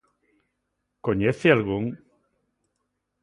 ¿Coñece algún?